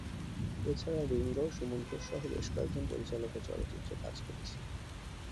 এ ছাড়া রিংগো, সুমন ঘোষসহ বেশ কয়েকজন পরিচালকের চলচ্চিত্রে কাজ করছি।